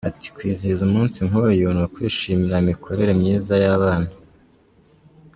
Ati “Kwizihiza umunsi nk’uyu ni ukwishimira imikorere myiza y’abana.